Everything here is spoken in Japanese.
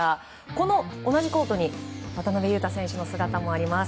この同じコートに渡邊雄太選手の姿もあります。